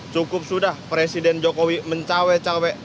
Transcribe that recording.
cukup sudah presiden jokowi mencawek cawek